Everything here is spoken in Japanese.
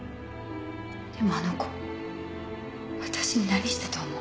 でもあの子私に何したと思う？